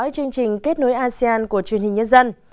chương trình kết nối asean của truyền hình nhân dân